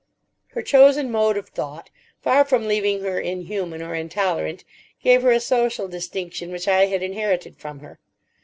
Her chosen mode of thought, far from leaving her inhuman or intolerant, gave her a social distinction which I had inherited from her.